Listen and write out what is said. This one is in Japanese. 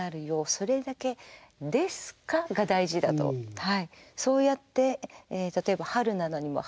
それだけですか』が大事だ」とそうやって例えば「春なのに」も「春なのに春なのに」